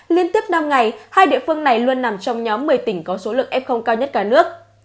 liên tiếp năm ngày hai địa phương này luôn nằm trong nhóm một mươi tỉnh có số lượng f cao nhất cả nước